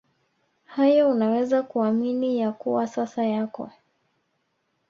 hayo Unaweza kuamini ya kuwa sasa yako